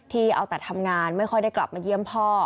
เอาแต่ทำงานไม่ค่อยได้กลับมาเยี่ยมพ่อ